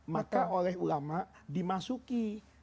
maka oleh ulama dimasuki